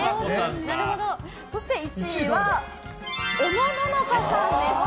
そして１位はおのののかさんでした。